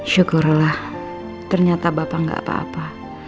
syukurlah ternyata bapak gak apa apa